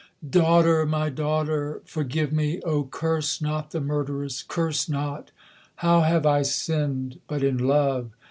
'Daughter! my daughter! forgive me! Oh curse not the murderess! Curse not! How have I sinned, but in love?